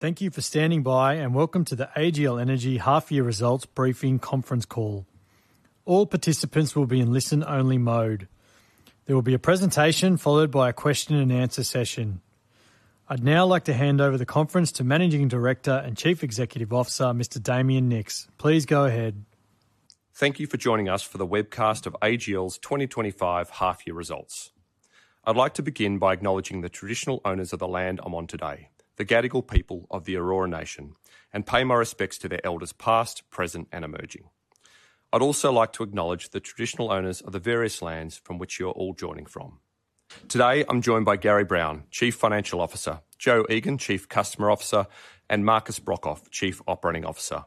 Thank you for standing by, and welcome to the AGL Energy half-year results briefing conference call. All participants will be in listen-only mode. There will be a presentation followed by a question-and-answer session. I'd now like to hand over the conference to Managing Director and Chief Executive Officer, Mr. Damien Nicks. Please go ahead. Thank you for joining us for the webcast of AGL's 2025 half-year results. I'd like to begin by acknowledging the traditional owners of the land I'm on today, the Gadigal people of the Eora Nation, and pay my respects to their elders past, present, and emerging. I'd also like to acknowledge the traditional owners of the various lands from which you're all joining from. Today, I'm joined by Gary Brown, Chief Financial Officer, Jo Egan, Chief Customer Officer, and Markus Brokhof, Chief Operating Officer.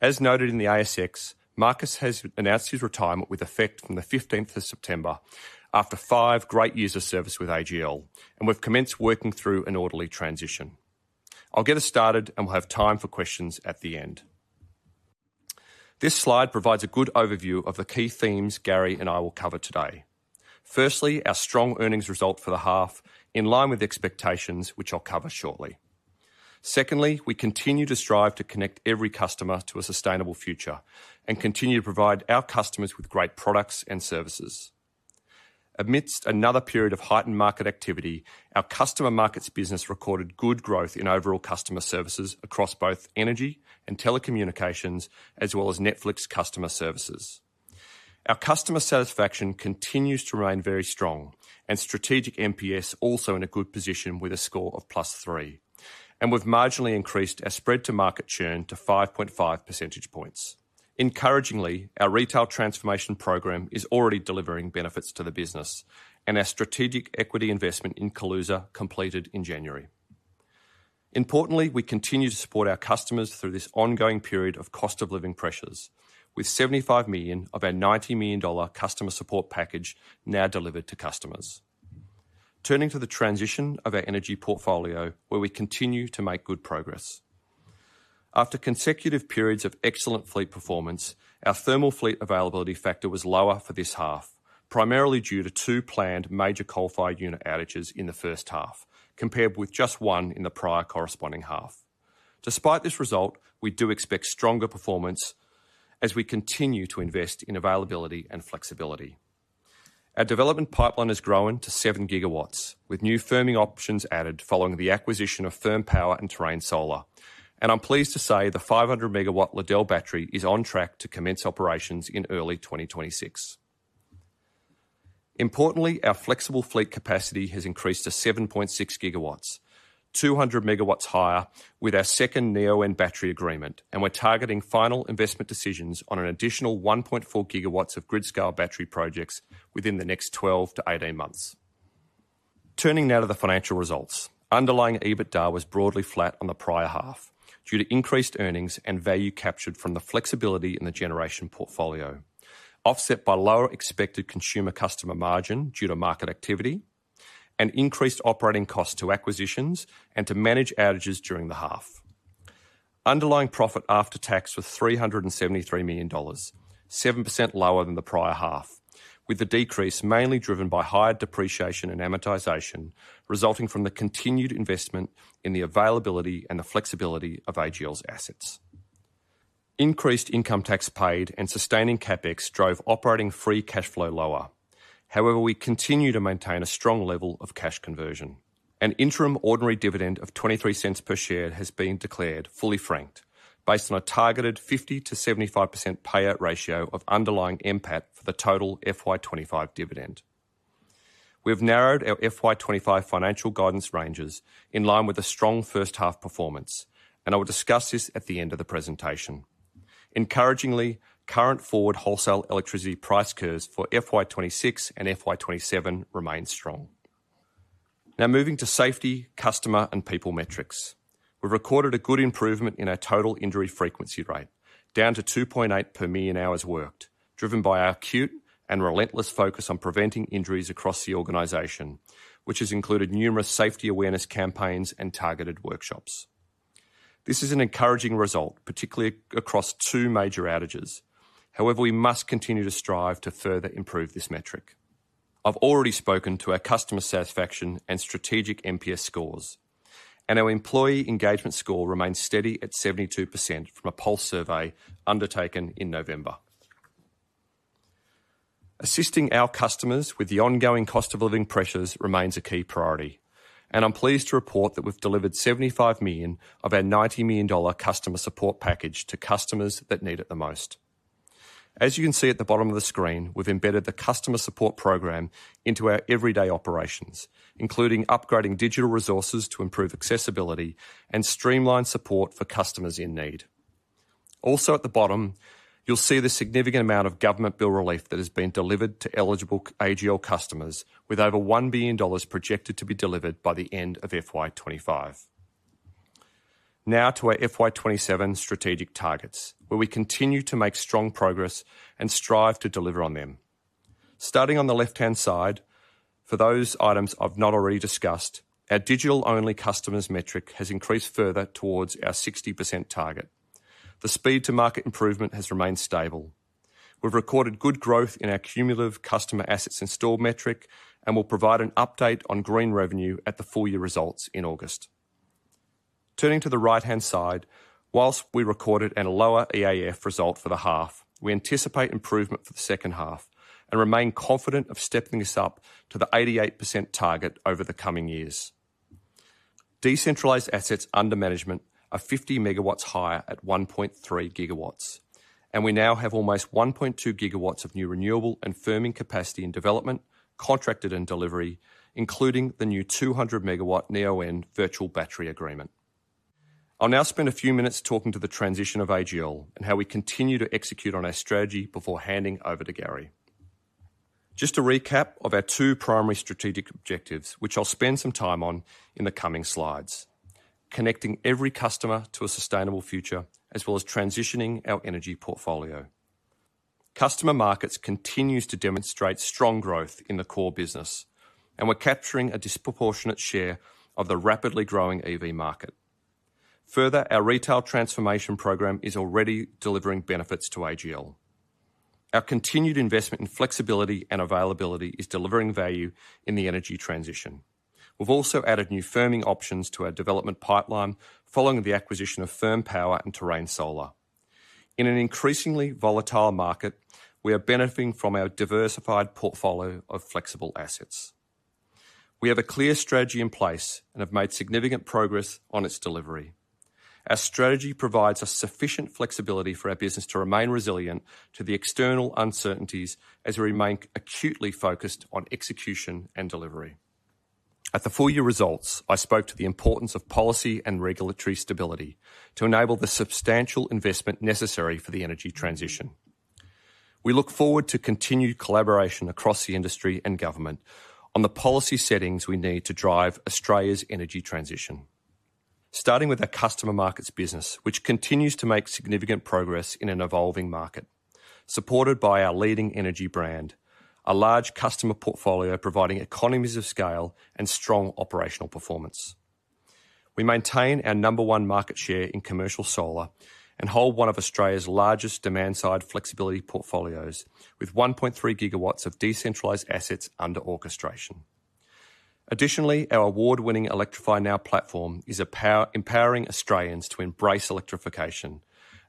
As noted in the ASX, Markus has announced his retirement with effect from the 15th of September after five great years of service with AGL, and we've commenced working through an orderly transition. I'll get us started, and we'll have time for questions at the end. This slide provides a good overview of the key themes Gary and I will cover today. Firstly, our strong earnings result for the half, in line with expectations, which I'll cover shortly. Secondly, we continue to strive to connect every customer to a sustainable future and continue to provide our customers with great products and services. Amidst another period of heightened market activity, our Customer Markets business recorded good growth in overall customer services across both energy and telecommunications, as well as Netflix customer services. Our customer satisfaction continues to remain very strong, and strategic NPS also in a good position with a score of plus three, and we've marginally increased our spread-to-market churn to 5.5 percentage points. Encouragingly, our Retail Transformation Program is already delivering benefits to the business, and our strategic equity investment in Kaluza completed in January. Importantly, we continue to support our customers through this ongoing period of cost-of-living pressures, with 75 million of our 90 million dollar customer support package now delivered to customers. Turning to the transition of our energy portfolio, where we continue to make good progress. After consecutive periods of excellent fleet performance, our thermal fleet availability factor was lower for this half, primarily due to two planned major coal-fired unit outages in the first half, compared with just one in the prior corresponding half. Despite this result, we do expect stronger performance as we continue to invest in availability and flexibility. Our development pipeline is growing to 7 GW, with new firming options added following the acquisition of Firm Power and Terrain Solar, and I'm pleased to say the 500-megawatt Liddell Battery is on track to commence operations in early 2026. Importantly, our flexible fleet capacity has increased to 7.6 GW, 200 MW higher with our second Neoen battery agreement, and we're targeting final investment decisions on an additional 1.4 GW of grid-scale battery projects within the next 12-18 months. Turning now to the financial results, underlying EBITDA was broadly flat on the prior half due to increased earnings and value captured from the flexibility in the generation portfolio, offset by lower expected consumer customer margin due to market activity, and increased operating costs to acquisitions and to manage outages during the half. Underlying profit after tax was 373 million dollars, 7% lower than the prior half, with the decrease mainly driven by higher depreciation and amortization resulting from the continued investment in the availability and the flexibility of AGL's assets. Increased income tax paid and sustaining CapEx drove operating free cash flow lower. However, we continue to maintain a strong level of cash conversion. An interim ordinary dividend of 0.23 per share has been declared, fully franked, based on a targeted 50%-75% payout ratio of underlying NPAT for the total FY25 dividend. We have narrowed our FY25 financial guidance ranges in line with a strong first half performance, and I will discuss this at the end of the presentation. Encouragingly, current forward wholesale electricity price curves for FY26 and FY27 remain strong. Now moving to safety, customer, and people metrics. We've recorded a good improvement in our total injury frequency rate, down to 2.8 per million hours worked, driven by our acute and relentless focus on preventing injuries across the organization, which has included numerous safety awareness campaigns and targeted workshops. This is an encouraging result, particularly across two major outages. However, we must continue to strive to further improve this metric. I've already spoken to our customer satisfaction and strategic NPS scores, and our employee engagement score remains steady at 72% from a pulse survey undertaken in November. Assisting our customers with the ongoing cost-of-living pressures remains a key priority, and I'm pleased to report that we've delivered 75 million of our 90 million dollar customer support package to customers that need it the most. As you can see at the bottom of the screen, we've embedded the customer support program into our everyday operations, including upgrading digital resources to improve accessibility and streamline support for customers in need. Also at the bottom, you'll see the significant amount of government bill relief that has been delivered to eligible AGL customers, with over 1 billion dollars projected to be delivered by the end of FY25. Now to our FY27 strategic targets, where we continue to make strong progress and strive to deliver on them. Starting on the left-hand side, for those items I've not already discussed, our digital-only customers metric has increased further towards our 60% target. The speed to market improvement has remained stable. We've recorded good growth in our cumulative customer assets installed metric and will provide an update on green revenue at the full-year results in August. Turning to the right-hand side, while we recorded a lower EAF result for the half, we anticipate improvement for the second half and remain confident of stepping us up to the 88% target over the coming years. Decentralized assets under management are 50 MW higher at 1.3 GW, and we now have almost 1.2 GW of new renewable and firming capacity in development, contracted, and delivery, including the new 200-megawatt Neoen virtual battery agreement. I'll now spend a few minutes talking about the transition of AGL and how we continue to execute on our strategy before handing over to Gary. Just a recap of our two primary strategic objectives, which I'll spend some time on in the coming slides: connecting every customer to a sustainable future, as well as transitioning our energy portfolio. Customer Markets continue to demonstrate strong growth in the core business, and we're capturing a disproportionate share of the rapidly growing EV market. Further, our Retail Transformation Program is already delivering benefits to AGL. Our continued investment in flexibility and availability is delivering value in the energy transition. We've also added new firming options to our development pipeline following the acquisition of Firm Power and Terrain Solar. In an increasingly volatile market, we are benefiting from our diversified portfolio of flexible assets. We have a clear strategy in place and have made significant progress on its delivery. Our strategy provides sufficient flexibility for our business to remain resilient to the external uncertainties as we remain acutely focused on execution and delivery. At the full-year results, I spoke to the importance of policy and regulatory stability to enable the substantial investment necessary for the energy transition. We look forward to continued collaboration across the industry and government on the policy settings we need to drive Australia's energy transition, starting with our Customer Markets business, which continues to make significant progress in an evolving market, supported by our leading energy brand, a large customer portfolio providing economies of scale and strong operational performance. We maintain our number one market share in commercial solar and hold one of Australia's largest demand-side flexibility portfolios with 1.3 GW of decentralized assets under orchestration. Additionally, our award-winning Electrify Now platform is empowering Australians to embrace electrification,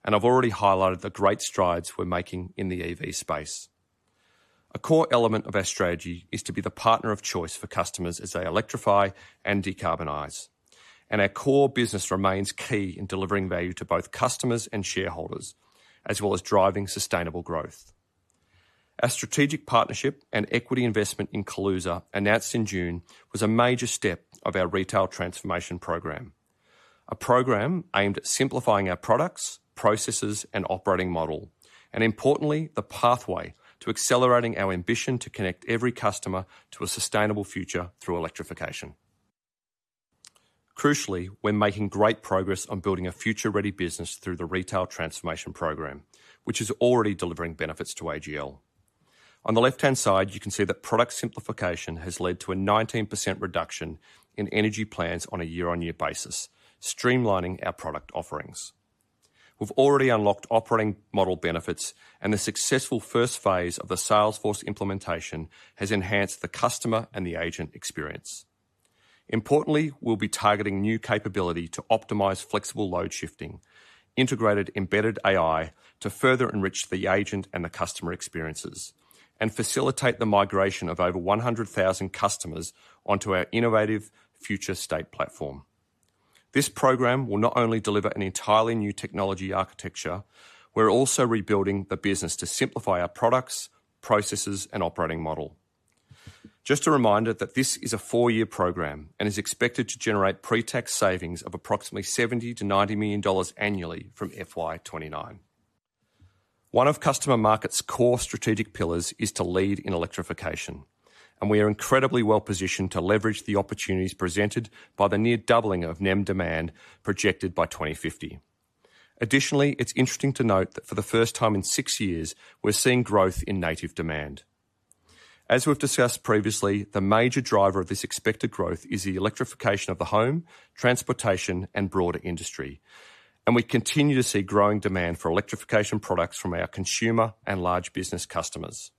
and I've already highlighted the great strides we're making in the EV space. A core element of our strategy is to be the partner of choice for customers as they electrify and decarbonize, and our core business remains key in delivering value to both customers and shareholders, as well as driving sustainable growth. Our strategic partnership and equity investment in Kaluza, announced in June, was a major step of our Retail Transformation Program, a program aimed at simplifying our products, processes, and operating model, and importantly, the pathway to accelerating our ambition to connect every customer to a sustainable future through electrification. Crucially, we're making great progress on building a future-ready business through the Retail Transformation Program, which is already delivering benefits to AGL. On the left-hand side, you can see that product simplification has led to a 19% reduction in energy plans on a year-on-year basis, streamlining our product offerings. We've already unlocked operating model benefits, and the successful first phase of the Salesforce implementation has enhanced the customer and the agent experience. Importantly, we'll be targeting new capability to optimize flexible load shifting, integrated embedded AI to further enrich the agent and the customer experiences, and facilitate the migration of over 100,000 customers onto our innovative future state platform. This program will not only deliver an entirely new technology architecture, we're also rebuilding the business to simplify our products, processes, and operating model. Just a reminder that this is a four-year program and is expected to generate pre-tax savings of approximately 70-90 million dollars annually from FY29. One of Customer Markets' core strategic pillars is to lead in electrification, and we are incredibly well positioned to leverage the opportunities presented by the near doubling of NEM demand projected by 2050. Additionally, it's interesting to note that for the first time in six years, we're seeing growth in native demand. As we've discussed previously, the major driver of this expected growth is the electrification of the home, transportation, and broader industry, and we continue to see growing demand for electrification products from our consumer and large business customers.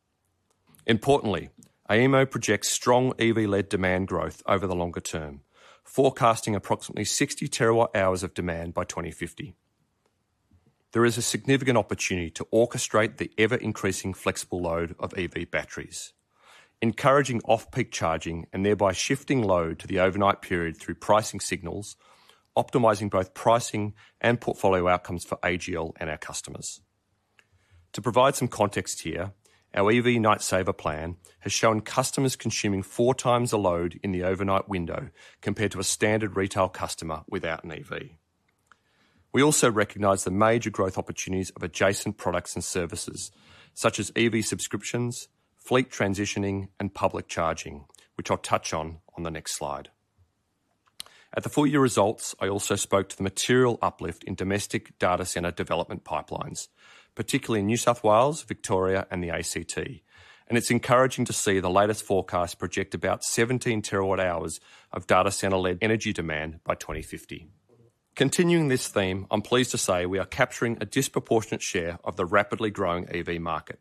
Importantly, AEMO projects strong EV-led demand growth over the longer term, forecasting approximately 60 TWh of demand by 2050. There is a significant opportunity to orchestrate the ever-increasing flexible load of EV batteries, encouraging off-peak charging and thereby shifting load to the overnight period through pricing signals, optimizing both pricing and portfolio outcomes for AGL and our customers. To provide some context here, our EV Night Saver plan has shown customers consuming four times a load in the overnight window compared to a standard retail customer without an EV. We also recognize the major growth opportunities of adjacent products and services, such as EV subscriptions, fleet transitioning, and public charging, which I'll touch on on the next slide. At the full-year results, I also spoke to the material uplift in domestic data centre development pipelines, particularly in New South Wales, Victoria, and the ACT, and it's encouraging to see the latest forecast projects about 17 TW hours of data centre-led energy demand by 2050. Continuing this theme, I'm pleased to say we are capturing a disproportionate share of the rapidly growing EV market,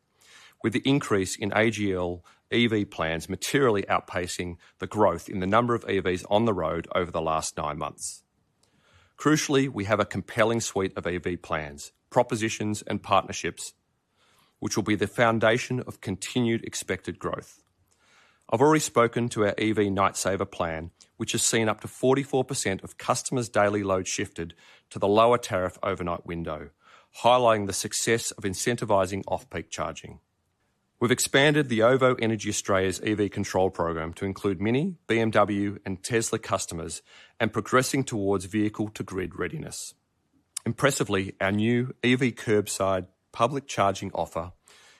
with the increase in AGL EV plans materially outpacing the growth in the number of EVs on the road over the last nine months. Crucially, we have a compelling suite of EV plans, propositions, and partnerships, which will be the foundation of continued expected growth. I've already spoken to our EV Night Saver plan, which has seen up to 44% of customers' daily load shifted to the lower tariff overnight window, highlighting the success of incentivizing off-peak charging. We've expanded the OVO Energy Australia's EV control program to include Mini, BMW, and Tesla customers and progressing towards vehicle-to-grid readiness. Impressively, our new EV kerbside public charging offer,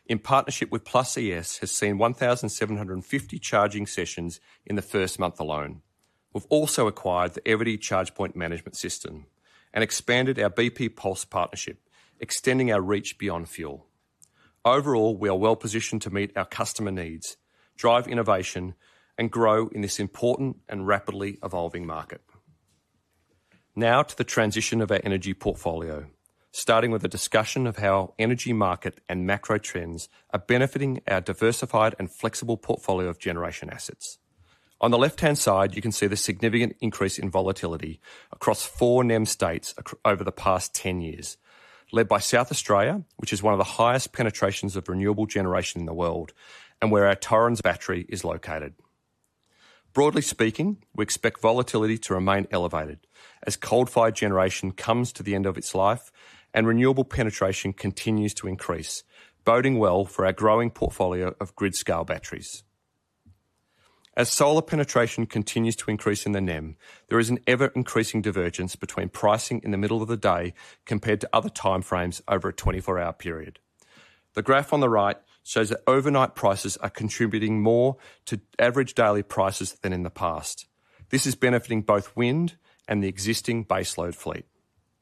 in partnership with PLUS ES, has seen 1,750 charging sessions in the first month alone. We've also acquired the Everty ChargePoint Management System and expanded our BP Pulse partnership, extending our reach beyond fuel. Overall, we are well positioned to meet our customer needs, drive innovation, and grow in this important and rapidly evolving market. Now to the transition of our energy portfolio, starting with a discussion of how energy market and macro trends are benefiting our diversified and flexible portfolio of generation assets. On the left-hand side, you can see the significant increase in volatility across four NEM states over the past 10 years, led by South Australia, which is one of the highest penetrations of renewable generation in the world and where our Torrens Island Battery is located. Broadly speaking, we expect volatility to remain elevated as coal-fired generation comes to the end of its life and renewable penetration continues to increase, boding well for our growing portfolio of grid-scale batteries. As solar penetration continues to increase in the NEM, there is an ever-increasing divergence between pricing in the middle of the day compared to other timeframes over a 24-hour period. The graph on the right shows that overnight prices are contributing more to average daily prices than in the past. This is benefiting both wind and the existing base load fleet.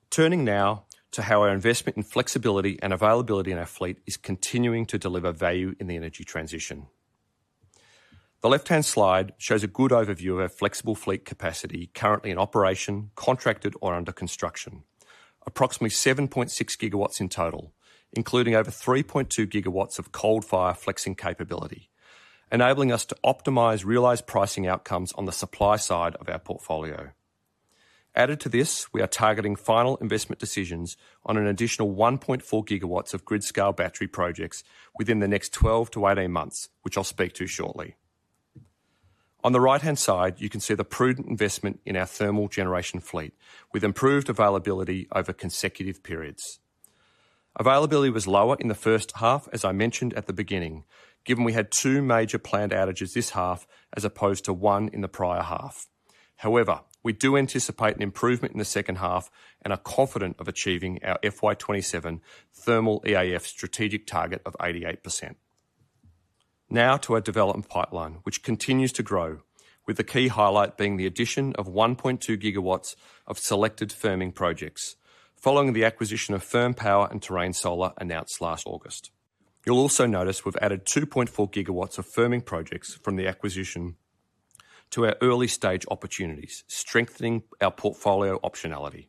Turning now to how our investment in flexibility and availability in our fleet is continuing to deliver value in the energy transition. The left-hand slide shows a good overview of our flexible fleet capacity currently in operation, contracted, or under construction, approximately 7.6 GW in total, including over 3.2 GW of coal-fired flexing capability, enabling us to optimize realized pricing outcomes on the supply side of our portfolio. Added to this, we are targeting final investment decisions on an additional 1.4 GW of grid-scale battery projects within the next 12-18 months, which I'll speak to shortly. On the right-hand side, you can see the prudent investment in our thermal generation fleet, with improved availability over consecutive periods. Availability was lower in the first half, as I mentioned at the beginning, given we had two major planned outages this half as opposed to one in the prior half. However, we do anticipate an improvement in the second half and are confident of achieving our FY27 thermal EAF strategic target of 88%. Now to our development pipeline, which continues to grow, with the key highlight being the addition of 1.2 GW of selected firming projects following the acquisition of Firm Power and Terrain Solar announced last August. You'll also notice we've added 2.4 GW of firming projects from the acquisition to our early-stage opportunities, strengthening our portfolio optionality.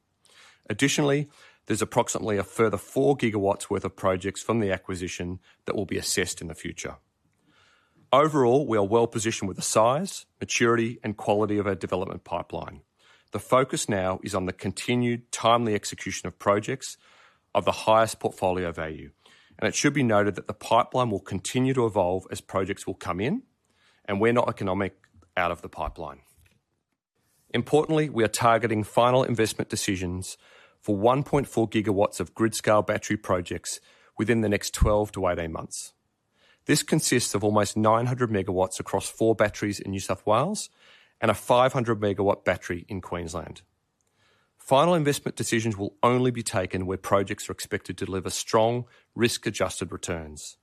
Additionally, there's approximately a further 4 GW worth of projects from the acquisition that will be assessed in the future. Overall, we are well positioned with the size, maturity, and quality of our development pipeline. The focus now is on the continued timely execution of projects of the highest portfolio value, and it should be noted that the pipeline will continue to evolve as projects will come in, and we're not economic out of the pipeline. Importantly, we are targeting final investment decisions for 1.4 GW of grid-scale battery projects within the next 12-18 months. This consists of almost 900 MW across four batteries in New South Wales and a 500-MW battery in Queensland. Final investment decisions will only be taken where projects are expected to deliver strong, risk-adjusted returns.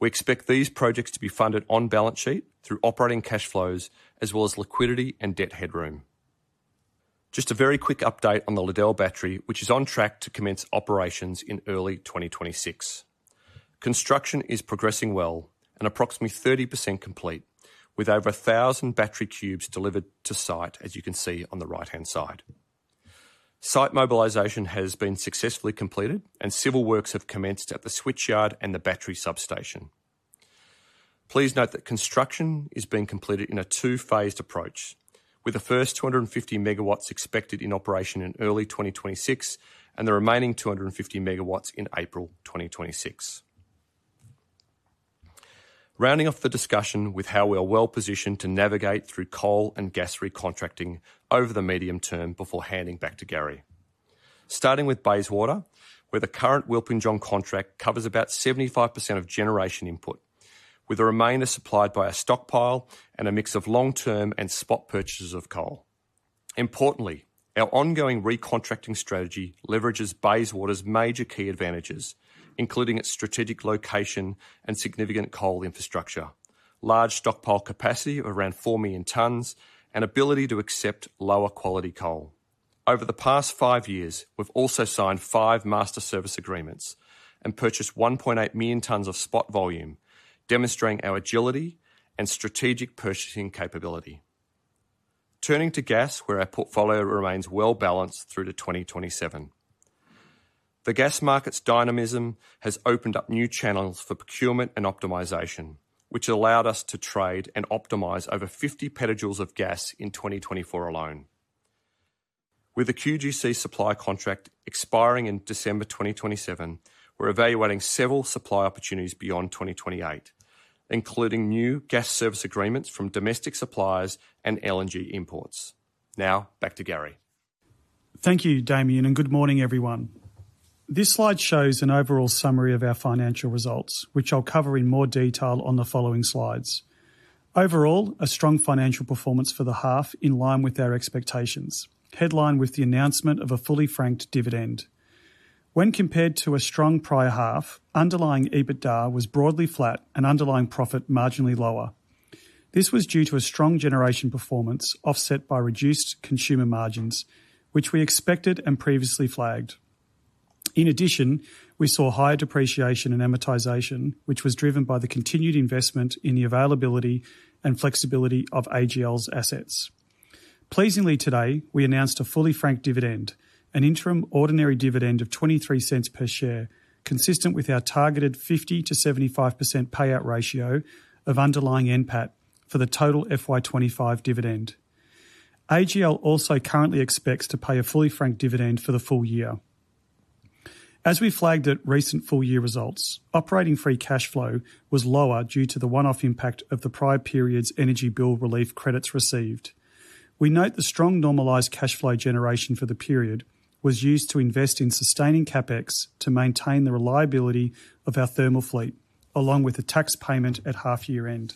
We expect these projects to be funded on balance sheet through operating cash flows, as well as liquidity and debt headroom. Just a very quick update on the Liddell Battery, which is on track to commence operations in early 2026. Construction is progressing well and approximately 30% complete, with over 1,000 battery cubes delivered to site, as you can see on the right-hand side. Site mobilization has been successfully completed, and civil works have commenced at the switchyard and the battery substation. Please note that construction is being completed in a two-phased approach, with the first 250 MW expected in operation in early 2026 and the remaining 250 MW in April 2026. Rounding off the discussion with how we are well positioned to navigate through coal and gas recontracting over the medium term before handing back to Gary. Starting with Bayswater, where the current Wilpinjong contract covers about 75% of generation input, with the remainder supplied by a stockpile and a mix of long-term and spot purchases of coal. Importantly, our ongoing recontracting strategy leverages Bayswater's major key advantages, including its strategic location and significant coal infrastructure, large stockpile capacity of around 4 million tons, and ability to accept lower-quality coal. Over the past five years, we've also signed five master service agreements and purchased 1.8 million tons of spot volume, demonstrating our agility and strategic purchasing capability. Turning to gas, where our portfolio remains well balanced through to 2027. The gas market's dynamism has opened up new channels for procurement and optimization, which allowed us to trade and optimize over 50 PJ of gas in 2024 alone. With the QGC supply contract expiring in December 2027, we're evaluating several supply opportunities beyond 2028, including new gas service agreements from domestic suppliers and LNG imports. Now, back to Gary. Thank you, Damien, and good morning, everyone. This slide shows an overall summary of our financial results, which I'll cover in more detail on the following slides. Overall, a strong financial performance for the half in line with our expectations, headlined with the announcement of a fully franked dividend. When compared to a strong prior half, underlying EBITDA was broadly flat and underlying profit marginally lower. This was due to a strong generation performance offset by reduced consumer margins, which we expected and previously flagged. In addition, we saw higher depreciation and amortization, which was driven by the continued investment in the availability and flexibility of AGL's assets. Pleasingly today, we announced a fully franked dividend, an interim ordinary dividend of 0.23 per share, consistent with our targeted 50%-75% payout ratio of underlying NPAT for the total FY25 dividend. AGL also currently expects to pay a fully franked dividend for the full year. As we flagged at recent full-year results, operating free cash flow was lower due to the one-off impact of the prior period's energy bill relief credits received. We note the strong normalized cash flow generation for the period was used to invest in sustaining CapEx to maintain the reliability of our thermal fleet, along with a tax payment at half-year end.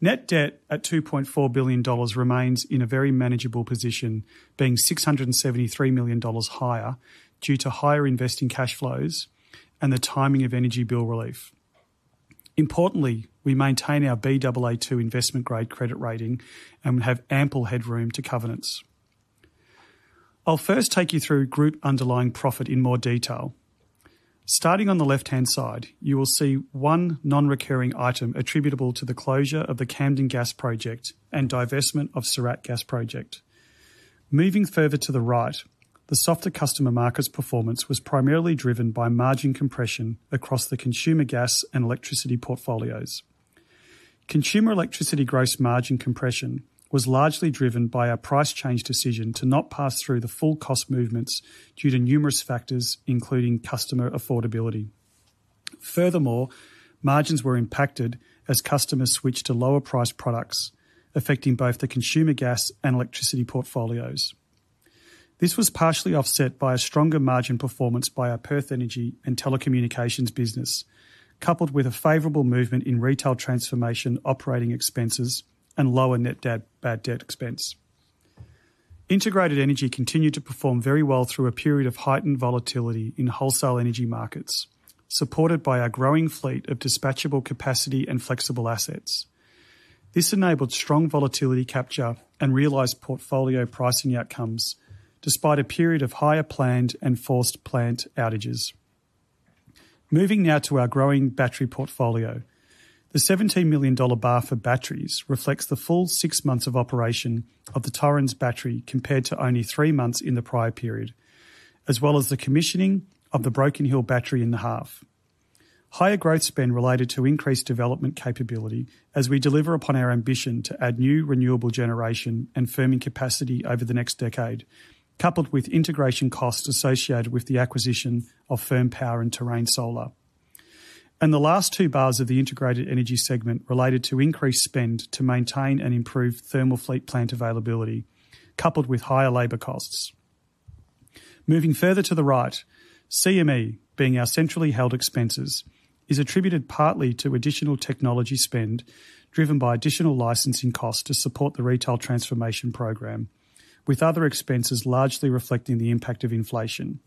Net debt at 2.4 billion dollars remains in a very manageable position, being 673 million dollars higher due to higher investing cash flows and the timing of energy bill relief. Importantly, we maintain our Baa2 investment-grade credit rating and have ample headroom to covenants. I'll first take you through group underlying profit in more detail. Starting on the left-hand side, you will see one non-recurring item attributable to the closure of the Camden Gas Project and divestment of Surat Gas Project. Moving further to the right, the small customer market's performance was primarily driven by margin compression across the consumer gas and electricity portfolios. Consumer electricity gross margin compression was largely driven by our price change decision to not pass through the full cost movements due to numerous factors, including customer affordability. Furthermore, margins were impacted as customers switched to lower-priced products, affecting both the consumer gas and electricity portfolios. This was partially offset by a stronger margin performance by our Perth Energy and telecommunications business, coupled with a favorable movement in retail transformation operating expenses and lower net bad debt expense. Integrated Energy continued to perform very well through a period of heightened volatility in wholesale energy markets, supported by our growing fleet of dispatchable capacity and flexible assets. This enabled strong volatility capture and realized portfolio pricing outcomes, despite a period of higher planned and forced plant outages. Moving now to our growing battery portfolio, the 17 million dollar bar for batteries reflects the full six months of operation of the Torrens Island Battery compared to only three months in the prior period, as well as the commissioning of the Broken Hill Battery in the half. Higher growth spend related to increased development capability as we deliver upon our ambition to add new renewable generation and firming capacity over the next decade, coupled with integration costs associated with the acquisition of Firm Power and Terrain Solar, and the last two bars of the Integrated Energy segment related to increased spend to maintain and improve thermal fleet plant availability, coupled with higher labor costs. Moving further to the right, CME, being our centrally held expenses, is attributed partly to additional technology spend driven by additional licensing costs to support the Retail Transformation Program, with other expenses largely reflecting the impact of inflation.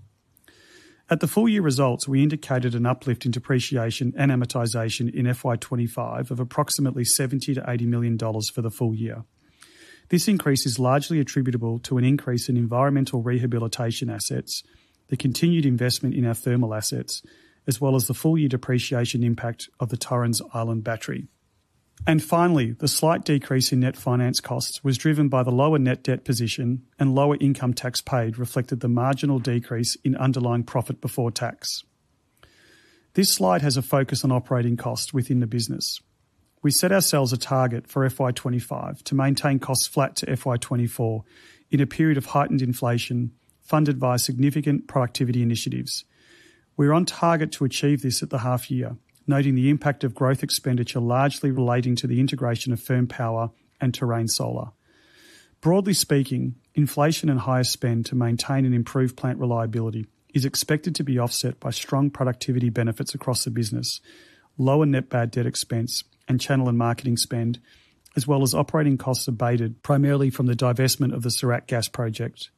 At the full-year results, we indicated an uplift in depreciation and amortization in FY25 of approximately 70 million-80 million dollars for the full year. This increase is largely attributable to an increase in environmental rehabilitation assets, the continued investment in our thermal assets, as well as the full-year depreciation impact of the Torrens Island Battery. And finally, the slight decrease in net finance costs was driven by the lower net debt position and lower income tax paid reflected the marginal decrease in underlying profit before tax. This slide has a focus on operating costs within the business. We set ourselves a target for FY25 to maintain costs flat to FY24 in a period of heightened inflation funded by significant productivity initiatives. We're on target to achieve this at the half-year, noting the impact of growth expenditure largely relating to the integration of Firm Power and Terrain Solar. Broadly speaking, inflation and higher spend to maintain and improve plant reliability is expected to be offset by strong productivity benefits across the business, lower net bad debt expense, and channel and marketing spend, as well as operating costs abated primarily from the divestment of the Surat Gas project.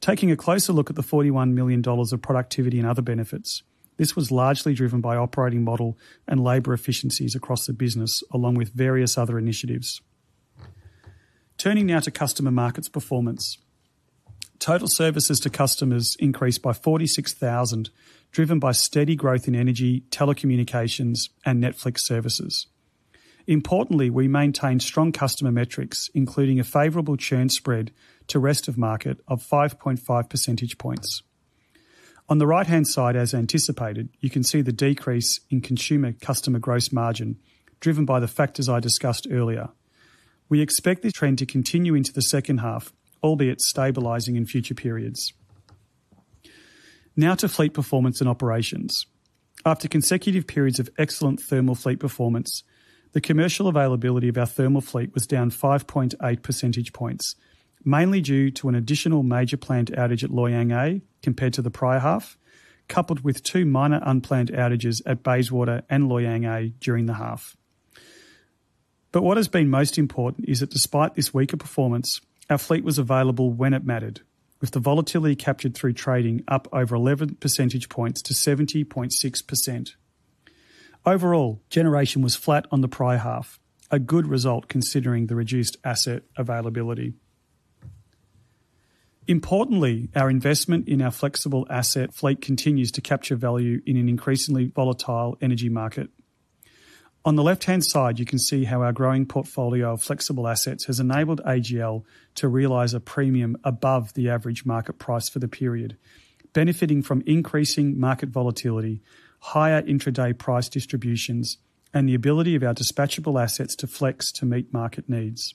Taking a closer look at the 41 million dollars of productivity and other benefits, this was largely driven by operating model and labor efficiencies across the business, along with various other initiatives. Turning now to Customer Markets performance, total services to customers increased by 46,000, driven by steady growth in energy, telecommunications, and Netflix services. Importantly, we maintained strong customer metrics, including a favorable churn spread to rest of market of 5.5 percentage points. On the right-hand side, as anticipated, you can see the decrease in consumer customer gross margin driven by the factors I discussed earlier. We expect this trend to continue into the second half, albeit stabilizing in future periods. Now to fleet performance and operations. After consecutive periods of excellent thermal fleet performance, the commercial availability of our thermal fleet was down 5.8 percentage points, mainly due to an additional major plant outage at Loy Yang A compared to the prior half, coupled with two minor unplanned outages at Bayswater and Loy Yang A during the half. But what has been most important is that despite this weaker performance, our fleet was available when it mattered, with the volatility captured through trading up over 11 percentage points to 70.6%. Overall, generation was flat on the prior half, a good result considering the reduced asset availability. Importantly, our investment in our flexible asset fleet continues to capture value in an increasingly volatile energy market. On the left-hand side, you can see how our growing portfolio of flexible assets has enabled AGL to realize a premium above the average market price for the period, benefiting from increasing market volatility, higher intraday price distributions, and the ability of our dispatchable assets to flex to meet market needs.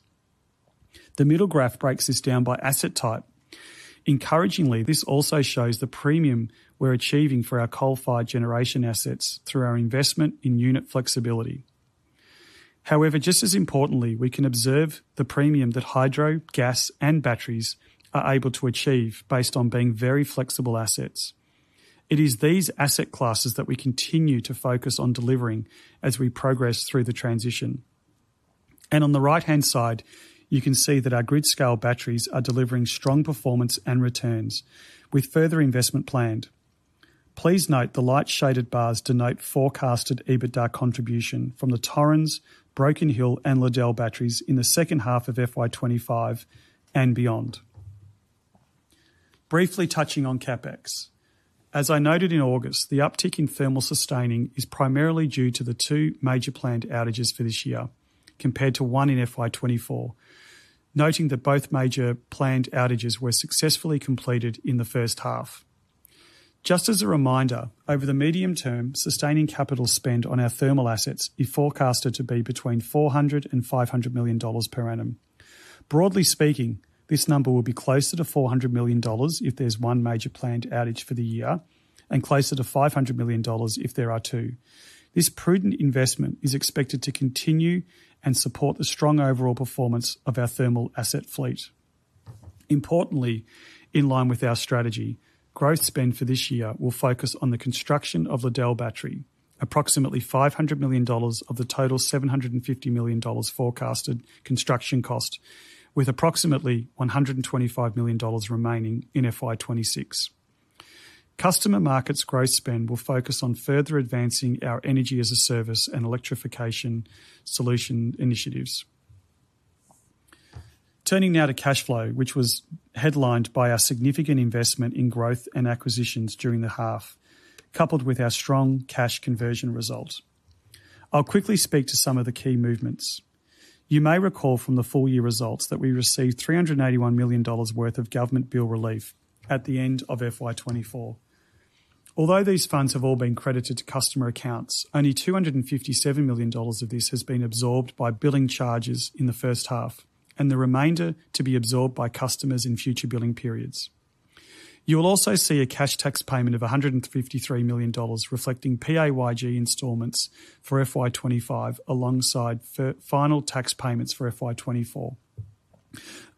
The middle graph breaks this down by asset type. Encouragingly, this also shows the premium we're achieving for our coal-fired generation assets through our investment in unit flexibility. However, just as importantly, we can observe the premium that hydro, gas, and batteries are able to achieve based on being very flexible assets. It is these asset classes that we continue to focus on delivering as we progress through the transition, and on the right-hand side, you can see that our grid-scale batteries are delivering strong performance and returns, with further investment planned. Please note the light shaded bars denote forecasted EBITDA contribution from the Torrens Island, Broken Hill, and Liddell batteries in the second half of FY25 and beyond. Briefly touching on CapEx. As I noted in August, the uptick in thermal sustaining is primarily due to the two major planned outages for this year, compared to one in FY24, noting that both major planned outages were successfully completed in the first half. Just as a reminder, over the medium term, sustaining capital spend on our thermal assets is forecasted to be between 400 million dollars and AUD 500 million per annum. Broadly speaking, this number will be closer to 400 million dollars if there's one major planned outage for the year and closer to 500 million dollars if there are two. This prudent investment is expected to continue and support the strong overall performance of our thermal asset fleet. Importantly, in line with our strategy, growth spend for this year will focus on the construction of Liddell Battery, approximately 500 million dollars of the total 750 million dollars forecasted construction cost, with approximately 125 million dollars remaining in FY26. Customer Markets growth spend will focus on further advancing our Energy as a Service and electrification solution initiatives. Turning now to cash flow, which was headlined by our significant investment in growth and acquisitions during the half, coupled with our strong cash conversion result. I'll quickly speak to some of the key movements. You may recall from the full-year results that we received 381 million dollars worth of government bill relief at the end of FY24. Although these funds have all been credited to customer accounts, only 257 million dollars of this has been absorbed by billing charges in the first half, and the remainder to be absorbed by customers in future billing periods. You will also see a cash tax payment of 153 million dollars reflecting PAYG installments for FY25 alongside final tax payments for FY24.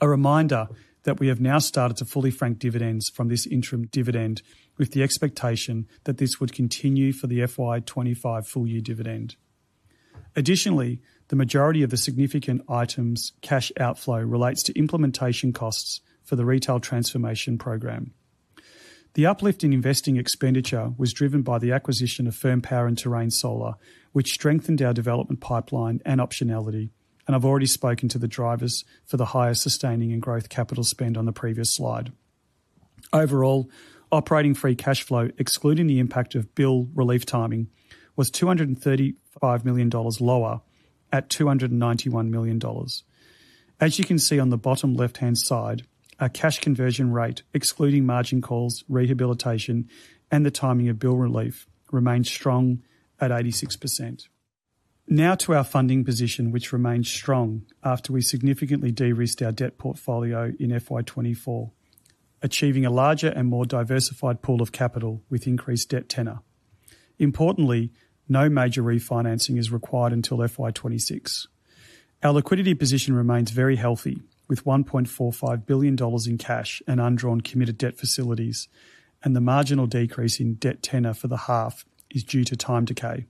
A reminder that we have now started to fully frank dividends from this interim dividend, with the expectation that this would continue for the FY25 full-year dividend. Additionally, the majority of the significant items cash outflow relates to implementation costs for the Retail Transformation Program. The uplift in investing expenditure was driven by the acquisition of Firm Power and Terrain Solar, which strengthened our development pipeline and optionality, and I've already spoken to the drivers for the higher sustaining and growth capital spend on the previous slide. Overall, operating free cash flow, excluding the impact of bill relief timing, was 235 million dollars lower at 291 million dollars. As you can see on the bottom left-hand side, our cash conversion rate, excluding margin calls, rehabilitation, and the timing of bill relief, remains strong at 86%. Now to our funding position, which remains strong after we significantly de-risked our debt portfolio in FY24, achieving a larger and more diversified pool of capital with increased debt tenor. Importantly, no major refinancing is required until FY26. Our liquidity position remains very healthy, with 1.45 billion dollars in cash and undrawn committed debt facilities, and the marginal decrease in debt tenor for the half is due to time decay.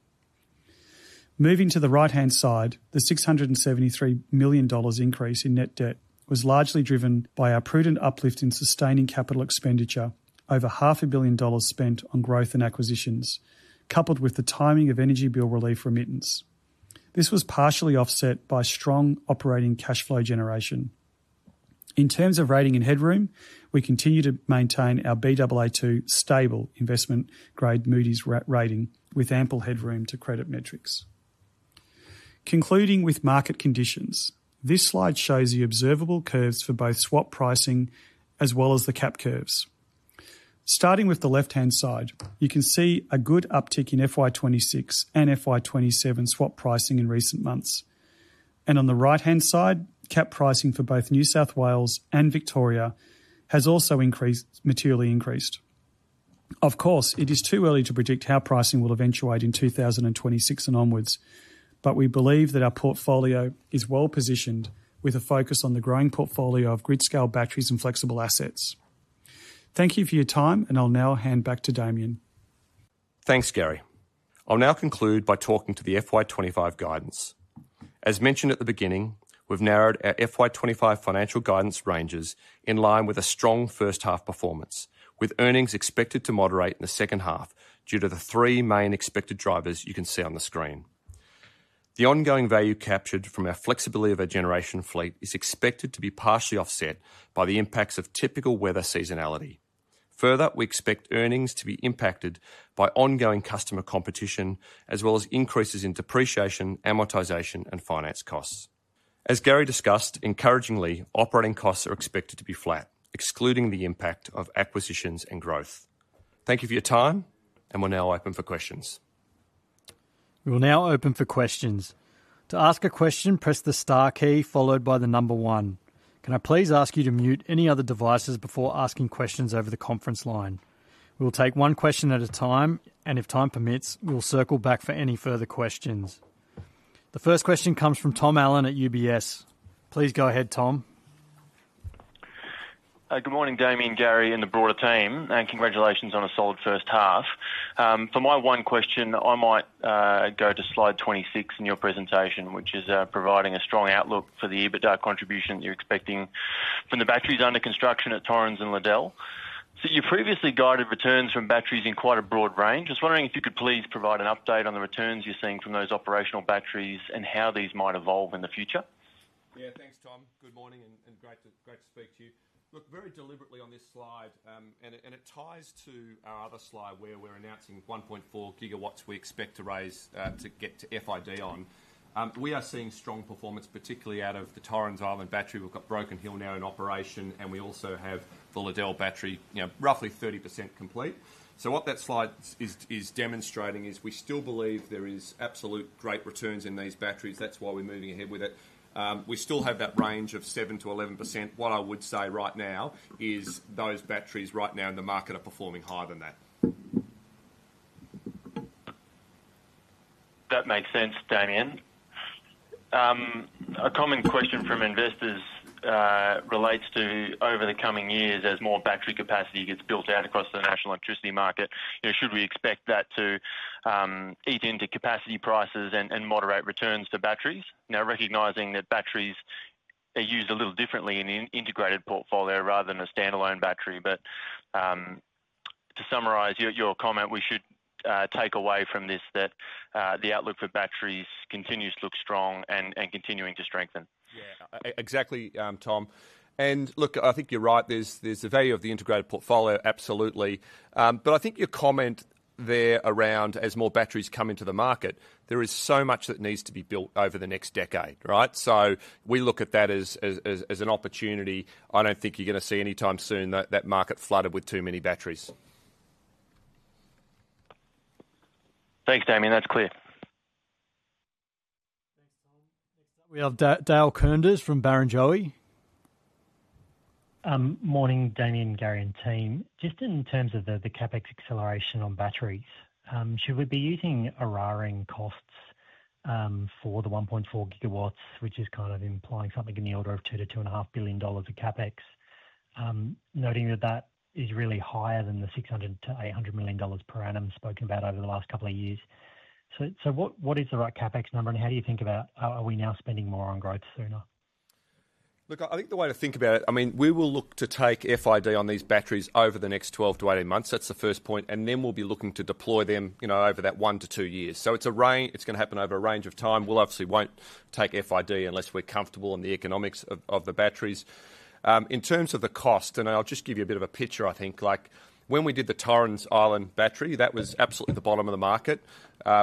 Moving to the right-hand side, the 673 million dollars increase in net debt was largely driven by our prudent uplift in sustaining capital expenditure, over 500 million dollars spent on growth and acquisitions, coupled with the timing of energy bill relief remittance. This was partially offset by strong operating cash flow generation. In terms of rating and headroom, we continue to maintain our Baa2 stable investment-grade Moody's rating, with ample headroom to credit metrics. Concluding with market conditions, this slide shows the observable curves for both swap pricing as well as the cap curves. Starting with the left-hand side, you can see a good uptick in FY26 and FY27 swap pricing in recent months. And on the right-hand side, cap pricing for both New South Wales and Victoria has also materially increased. Of course, it is too early to predict how pricing will eventuate in 2026 and onwards, but we believe that our portfolio is well positioned with a focus on the growing portfolio of grid-scale batteries and flexible assets. Thank you for your time, and I'll now hand back to Damien. Thanks, Gary. I'll now conclude by talking to the FY25 guidance. As mentioned at the beginning, we've narrowed our FY25 financial guidance ranges in line with a strong first half performance, with earnings expected to moderate in the second half due to the three main expected drivers you can see on the screen. The ongoing value captured from our flexibility of our generation fleet is expected to be partially offset by the impacts of typical weather seasonality. Further, we expect earnings to be impacted by ongoing customer competition, as well as increases in depreciation, amortization, and finance costs. As Gary discussed, encouragingly, operating costs are expected to be flat, excluding the impact of acquisitions and growth. Thank you for your time, and we'll now open for questions. To ask a question, press the star key followed by the number one. Can I please ask you to mute any other devices before asking questions over the conference line? We'll take one question at a time, and if time permits, we'll circle back for any further questions. The first question comes from Tom Allen at UBS. Please go ahead, Tom. Good morning, Damien, Gary, and the broader team, and congratulations on a solid first half. For my one question, I might go to slide 26 in your presentation, which is providing a strong outlook for the EBITDA contribution you're expecting from the batteries under construction at Torrens Island and Liddell. So you previously guided returns from batteries in quite a broad range. I was wondering if you could please provide an update on the returns you're seeing from those operational batteries and how these might evolve in the future. Yeah, thanks, Tom. Good morning and great to speak to you. Look, very deliberately on this slide, and it ties to our other slide where we're announcing 1.4 GW we expect to raise to get to FID on. We are seeing strong performance, particularly out of the Torrens Island Battery. We've got Broken Hill now in operation, and we also have the Liddell Battery, roughly 30% complete. So what that slide is demonstrating is we still believe there are absolute great returns in these batteries. That's why we're moving ahead with it. We still have that range of 7%-11%. What I would say right now is those batteries right now in the market are performing higher than that. That makes sense, Damien. A common question from investors relates to over the coming years, as more battery capacity gets built out across the National Electricity Market, should we expect that to eat into capacity prices and moderate returns to batteries? Now, recognizing that batteries are used a little differently in an integrated portfolio rather than a standalone battery. But to summarize your comment, we should take away from this that the outlook for batteries continues to look strong and continuing to strengthen. Yeah, exactly, Tom. And look, I think you're right. There's the value of the integrated portfolio, absolutely. But I think your comment there around as more batteries come into the market, there is so much that needs to be built over the next decade, right? So we look at that as an opportunity. I don't think you're going to see anytime soon that market flooded with too many batteries. Thanks, Damien. That's clear. Thanks, Tom. Next up, we have Dale Koenders from Barrenjoey. Morning, Damien, Gary and team. Just in terms of the CapEx acceleration on batteries, should we be using a running cost for the 1.4 GW, which is kind of implying something in the order of $2 billion-$2.5 billion of CapEx, noting that that is really higher than the $600 million-$800 million per annum spoken about over the last couple of years? So what is the right CapEx number, and how do you think about are we now spending more on growth sooner? Look, I think the way to think about it, I mean, we will look to take FID on these batteries over the next 12-18 months. That's the first point. And then we'll be looking to deploy them over that one to two years. So it's going to happen over a range of time. We obviously won't take FID unless we're comfortable in the economics of the batteries. In terms of the cost, and I'll just give you a bit of a picture, I think, like when we did the Torrens Island Battery, that was absolutely the bottom of the market.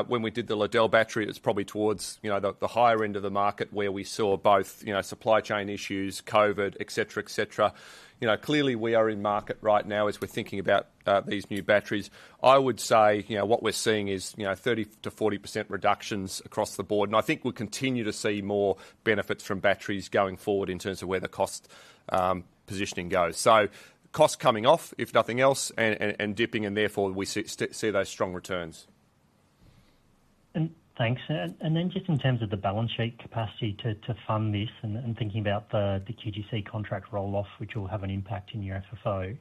When we did the Liddell Battery, it was probably towards the higher end of the market where we saw both supply chain issues, COVID, etc., etc. Clearly, we are in market right now as we're thinking about these new batteries. I would say what we're seeing is 30%-40% reductions across the board. And I think we'll continue to see more benefits from batteries going forward in terms of where the cost positioning goes. So cost coming off, if nothing else, and dipping, and therefore we see those strong returns. And thanks. And then just in terms of the balance sheet capacity to fund this and thinking about the QGC contract roll-off, which will have an impact in your FFO,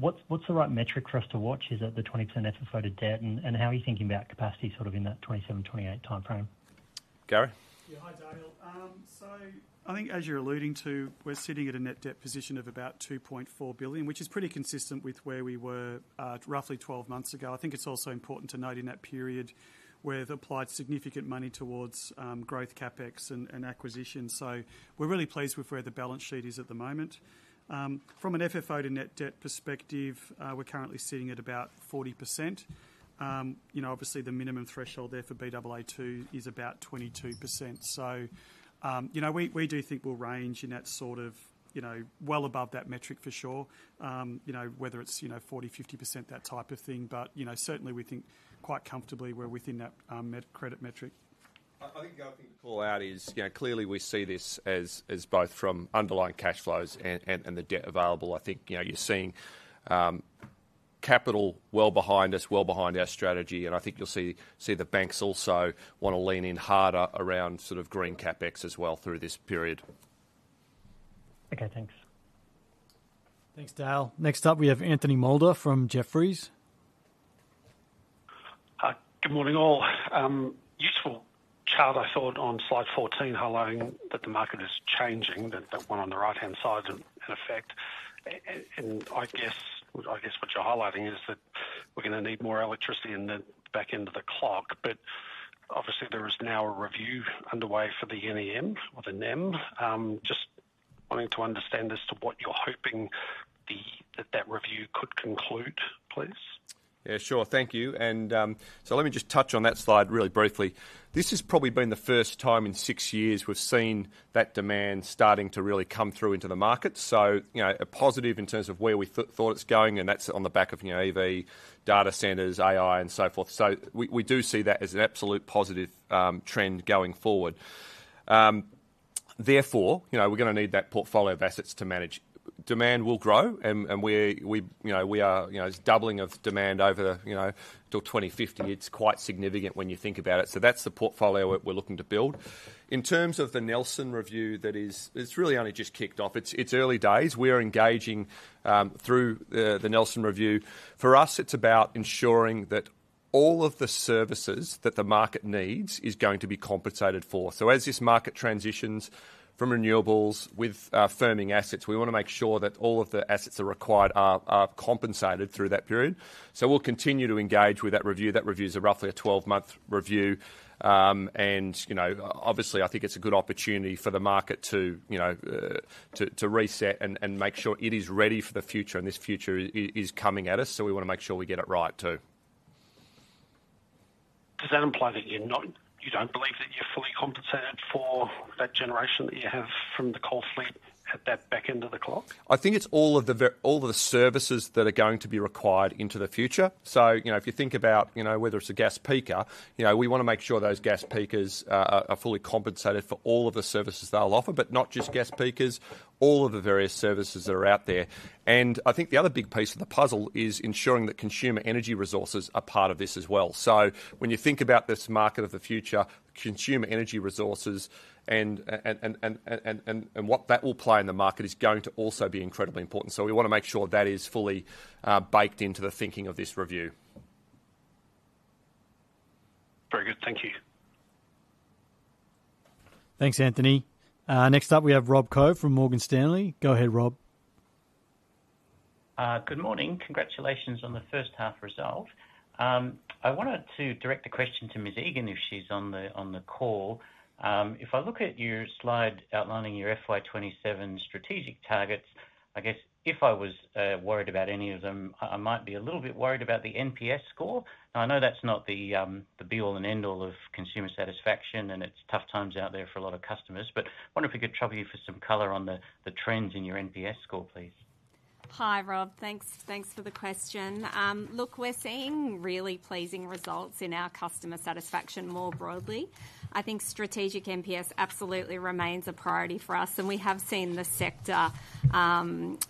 what's the right metric for us to watch? Is it the 20% FFO to debt? And how are you thinking about capacity sort of in that 2027-2028 timeframe? Gary. Yeah, hi, Dale. So I think, as you're alluding to, we're sitting at a net debt position of about 2.4 billion, which is pretty consistent with where we were roughly 12 months ago. I think it's also important to note in that period where they applied significant money towards growth, CapEx, and acquisition. So we're really pleased with where the balance sheet is at the moment. From an FFO to net debt perspective, we're currently sitting at about 40%. Obviously, the minimum threshold there for Baa2 is about 22%.So we do think we'll range in that sort of well above that metric for sure, whether it's 40%-50%, that type of thing. But certainly, we think quite comfortably we're within that credit metric. I think the other thing to call out is clearly we see this as both from underlying cash flows and the debt available. I think you're seeing capital well behind us, well behind our strategy. And I think you'll see the banks also want to lean in harder around sort of green CapEx as well through this period. Okay, thanks. Thanks, Dale. Next up, we have Anthony Moulder from Jefferies. Good morning, all. Useful chart, I thought, on slide 14, highlighting that the market is changing, that one on the right-hand side in effect. And I guess what you're highlighting is that we're going to need more electricity in the back end of the decade. But obviously, there is now a review underway of the NEM. Just wanting to understand as to what you're hoping that that review could conclude, please. Yeah, sure. Thank you. And so let me just touch on that slide really briefly. This has probably been the first time in six years we've seen that demand starting to really come through into the market. So a positive in terms of where we thought it's going, and that's on the back of EVs, data centers, AI, and so forth. So we do see that as an absolute positive trend going forward. Therefore, we're going to need that portfolio of assets to manage. Demand will grow, and we are doubling of demand over till 2050. It's quite significant when you think about it. So that's the portfolio we're looking to build. In terms of the Nelson review, that is really only just kicked off. It's early days. We are engaging through the Nelson review. For us, it's about ensuring that all of the services that the market needs is going to be compensated for, so as this market transitions from renewables with firming assets, we want to make sure that all of the assets that are required are compensated through that period, so we'll continue to engage with that review. That review is roughly a 12-month review, and obviously, I think it's a good opportunity for the market to reset and make sure it is ready for the future, and this future is coming at us, so we want to make sure we get it right too. Does that imply that you don't believe that you're fully compensated for that generation that you have from the coal fleet at that back end of the clock? I think it's all of the services that are going to be required into the future. So if you think about whether it's a gas peaker, we want to make sure those gas peakers are fully compensated for all of the services they'll offer, but not just gas peakers, all of the various services that are out there. And I think the other big piece of the puzzle is ensuring that Consumer Energy Resources are part of this as well. So when you think about this market of the future, Consumer Energy Resources and what that will play in the market is going to also be incredibly important. So we want to make sure that is fully baked into the thinking of this review. Very good. Thank you. Thanks, Anthony. Next up, we have Rob Koh from Morgan Stanley. Go ahead, Rob. Good morning. Congratulations on the first half result. I wanted to direct the question to Ms. Egan if she's on the call. If I look at your slide outlining your FY27 strategic targets, I guess if I was worried about any of them, I might be a little bit worried about the NPS score. I know that's not the be-all and end-all of consumer satisfaction, and it's tough times out there for a lot of customers. But I wonder if we could trouble you for some color on the trends in your NPS score, please. Hi, Rob. Thanks for the question. Look, we're seeing really pleasing results in our customer satisfaction more broadly. I think strategic NPS absolutely remains a priority for us, and we have seen the sector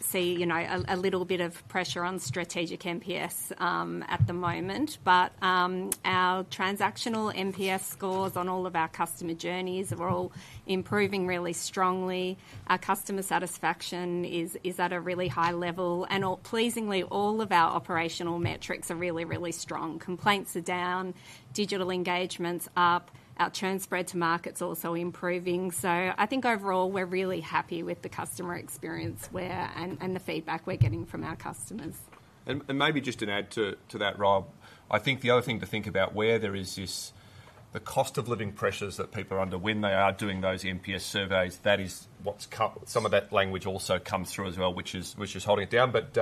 see a little bit of pressure on strategic NPS at the moment, but our transactional NPS scores on all of our customer journeys are all improving really strongly. Our customer satisfaction is at a really high level, and pleasingly, all of our operational metrics are really, really strong. Complaints are down, digital engagements up, our churn spread to market is also improving, so I think overall, we're really happy with the customer experience and the feedback we're getting from our customers. And maybe just an add to that, Rob. I think the other thing to think about where there is the cost of living pressures that people are under when they are doing those NPS surveys, that is what's cut. Some of that language also comes through as well, which is holding it down, but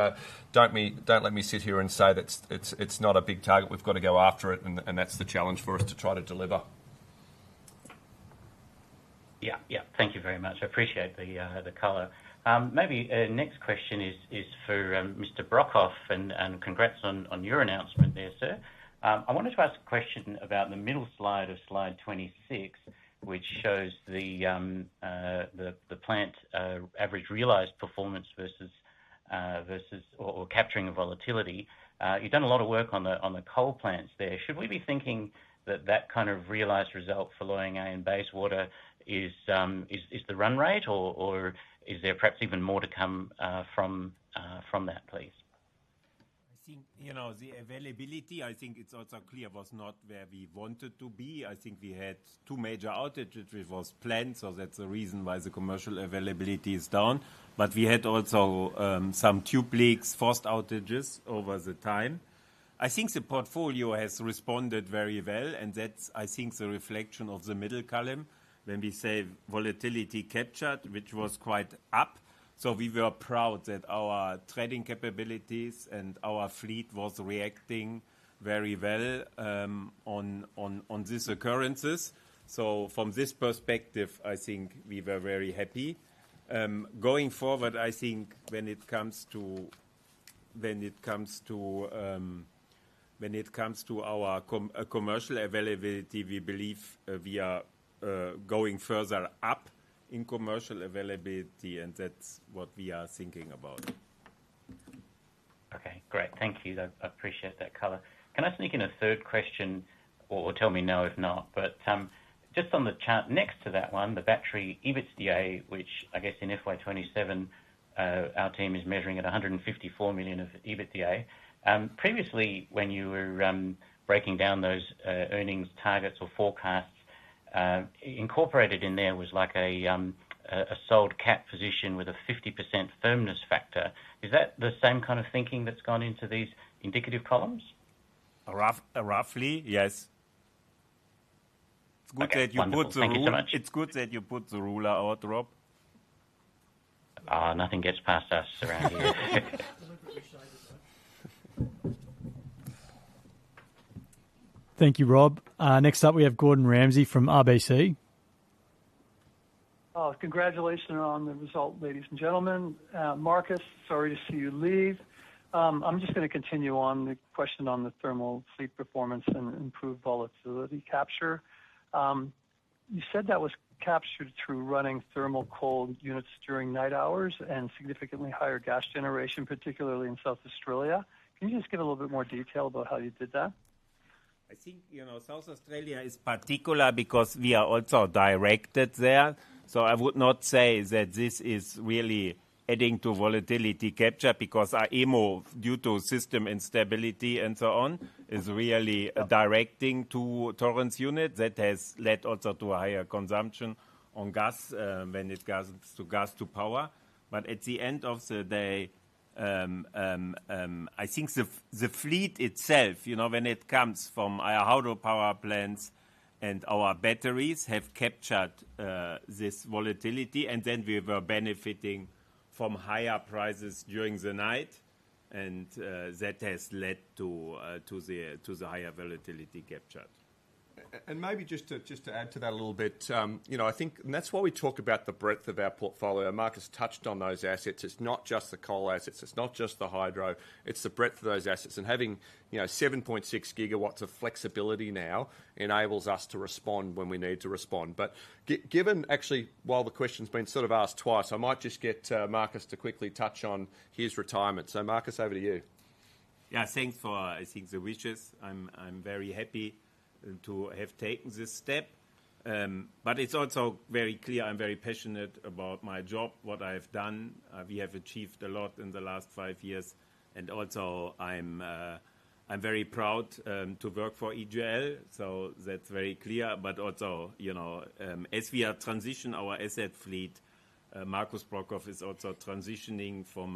don't let me sit here and say that it's not a big target. We've got to go after it, and that's the challenge for us to try to deliver. Yeah, yeah. Thank you very much. I appreciate the color. Maybe next question is for Mr. Brokhof, and congrats on your announcement there, sir. I wanted to ask a question about the middle slide of slide 26, which shows the plant average realized performance versus capturing volatility. You've done a lot of work on the coal plants there. Should we be thinking that that kind of realized result for Loy Yang A and Bayswater is the run rate, or is there perhaps even more to come from that, please? I think the availability, I think it's also clear, was not where we wanted to be. I think we had two major outages, which was planned. So that's the reason why the commercial availability is down. But we had also some tube leaks, forced outages over the time. I think the portfolio has responded very well, and that's, I think, the reflection of the middle column when we say volatility captured, which was quite up. So we were proud that our trading capabilities and our fleet was reacting very well on these occurrences. So from this perspective, I think we were very happy. Going forward, I think when it comes to our commercial availability, we believe we are going further up in commercial availability, and that's what we are thinking about. Okay, great. Thank you. I appreciate that color. Can I sneak in a third question, or tell me no if not? But just on the chart next to that one, the battery EBITDA, which I guess in FY27, our team is measuring at 154 million of EBITDA. Previously, when you were breaking down those earnings targets or forecasts, incorporated in there was like a sold cap position with a 50% firmness factor. Is that the same kind of thinking that's gone into these indicative columns? Roughly, yes. It's good that you put the ruler. Thank you so much. It's good that you put the ruler out, Rob. Nothing gets past us around here. Thank you, Rob. Next up, we have Gordon Ramsay from RBC. Congratulations on the result, ladies and gentlemen. Markus, sorry to see you leave. I'm just going to continue on the question on the thermal EAF performance and improved volatility capture. You said that was captured through running thermal coal units during night hours and significantly higher gas generation, particularly in South Australia. Can you just give a little bit more detail about how you did that? I think South Australia is particular because we are also directed there. So I would not say that this is really adding to volatility capture because our AEMO due to system instability and so on is really directing to Torrens unit that has led also to a higher consumption on gas when it comes to gas to power. But at the end of the day, I think the fleet itself, when it comes from our hydropower plants and our batteries, have captured this volatility. And then we were benefiting from higher prices during the night, and that has led to the higher volatility capture. Maybe just to add to that a little bit, I think, and that's why we talk about the breadth of our portfolio. Markus touched on those assets. It's not just the coal assets. It's not just the hydro. It's the breadth of those assets. And having 7.6 GW of flexibility now enables us to respond when we need to respond. But given, actually, while the question's been sort of asked twice, I might just get Markus to quickly touch on his retirement. So Markus, over to you. Yeah, thanks for, I think, the wishes. I'm very happy to have taken this step. But it's also very clear I'm very passionate about my job, what I have done. We have achieved a lot in the last five years. And also, I'm very proud to work for AGL. So that's very clear. But also, as we are transitioning our asset fleet, Markus Brokhof is also transitioning from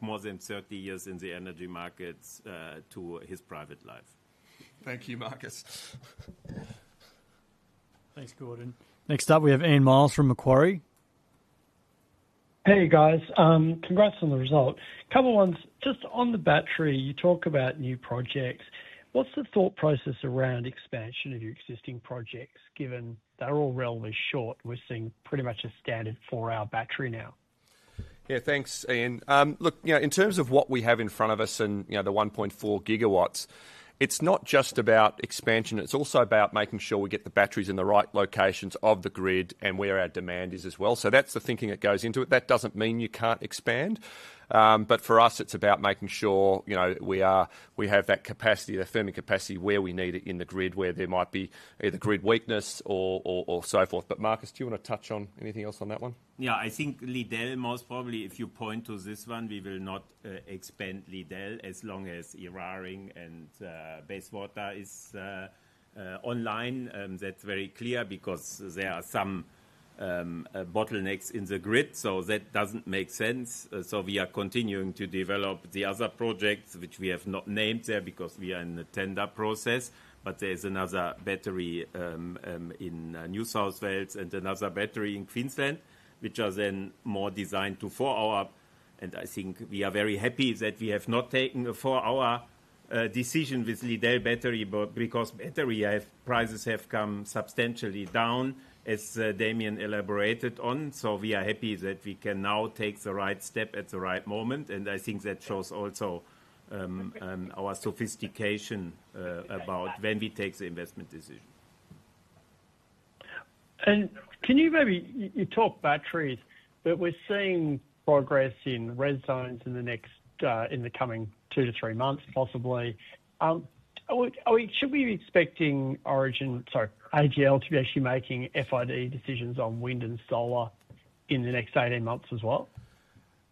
more than 30 years in the energy markets to his private life. Thank you, Markus. Thanks, Gordon. Next up, we have Ian Myles from Macquarie. Hey, guys. Congrats on the result. Couple of ones. Just on the battery, you talk about new projects. What's the thought process around expansion of your existing projects, given they're all relatively short? We're seeing pretty much a standard four-hour battery now. Yeah, thanks, Ian. Look, in terms of what we have in front of us and the 1.4 GW, it's not just about expansion. It's also about making sure we get the batteries in the right locations of the grid and where our demand is as well. So that's the thinking that goes into it. That doesn't mean you can't expand. But for us, it's about making sure we have that capacity, the firming capacity where we need it in the grid, where there might be either grid weakness or so forth. But Markus, do you want to touch on anything else on that one? Yeah, I think Liddell, most probably, if you point to this one, we will not expand Liddell as long as Eraring and Bayswater is online. That's very clear because there are some bottlenecks in the grid. So that doesn't make sense. So we are continuing to develop the other projects, which we have not named there because we are in the tender process. But there's another battery in New South Wales and another battery in Queensland, which are then more designed to four-hour. I think we are very happy that we have not taken a FID decision with Liddell Battery because battery prices have come substantially down, as Damien elaborated on. We are happy that we can now take the right step at the right moment. I think that shows also our sophistication about when we take the investment decision. Can you maybe talk about batteries, but we're seeing progress in renewables in the coming two to three months, possibly. Should we be expecting AGL to be actually making FID decisions on wind and solar in the next 18 months as well?